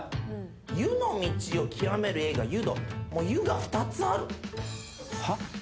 「湯」の道を極める映画『湯道』「湯」が２つある。